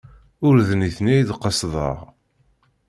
Ur d nitni ay d-qesdeɣ.